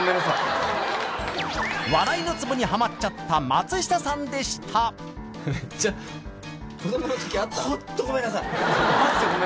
笑いのツボにハマっちゃった松下さんでした子どもの時あった？